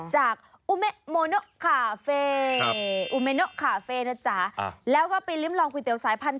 จากอุเมโมโนคาเฟ่อุเมโนคาเฟ่นะจ๊ะแล้วก็ไปลิ้มลองก๋วยเตี๋สายพันธุ